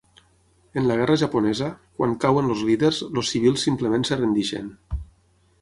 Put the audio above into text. En la guerra japonesa, quan cauen els líders, els civils simplement es rendeixen.